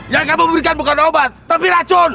yang kamu berikan bukan obat tapi racun